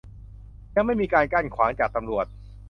ยังไม่มีการกั้นขวางจากตำรวจ